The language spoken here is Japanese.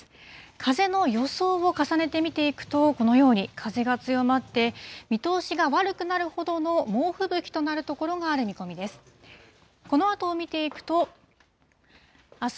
風の予想を重ねて見ていくと、このように風が強まって、見通しが悪くなるほどの猛吹雪となる所がある見込みです。